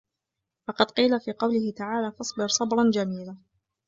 فَقَدْ قِيلَ فِي قَوْله تَعَالَى فَاصْبِرْ صَبْرًا جَمِيلًا